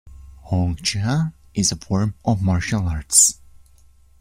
Hung Gar is a form of martial arts.